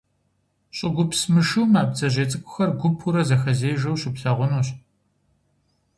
ЩӀыгупс мышыум а бдзэжьей цӀыкӀухэр гупурэ зэхэзежэу щыплъагъунущ.